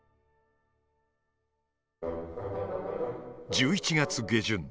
１１月下旬。